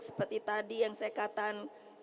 seperti tadi yang saya katakan